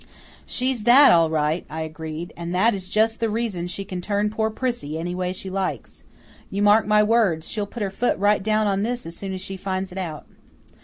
"She's that, all right," I agreed, "and that is just the reason she can turn poor Prissy any way she likes. You mark my words, she'll put her foot right down on this as soon as she finds it out."